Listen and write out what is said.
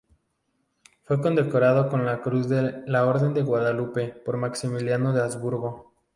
Fue condecorado con la Cruz de la Orden de Guadalupe por Maximiliano de Habsburgo.